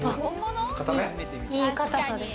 いい固さです。